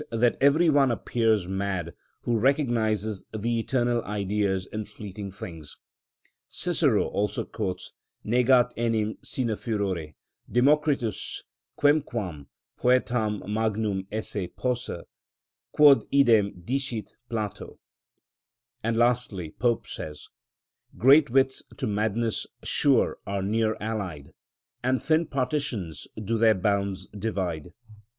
327), that every one appears mad who recognises the eternal Ideas in fleeting things. Cicero also quotes: Negat enim sine furore, Democritus, quemquam poetam magnum esse posse; quod idem dicit Plato (De Divin., i. 37). And, lastly, Pope says— "Great wits to madness sure are near allied, And thin partitions do their bounds divide."